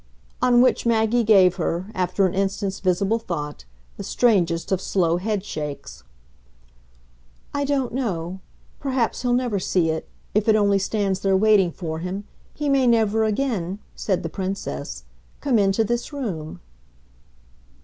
On which Maggie gave her, after an instant's visible thought, the strangest of slow headshakes. "I don't know. Perhaps he'll never see it if it only stands there waiting for him. He may never again," said the Princess, "come into this room."